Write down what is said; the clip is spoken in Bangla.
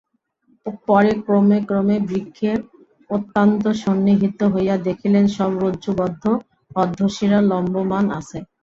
পরে ক্রমে ক্রমে বৃক্ষের অত্যন্ত সন্নিহিত হইয়া দেখিলেন শব রজ্জুবদ্ধ অধঃশিরাঃ লম্বমান আছে।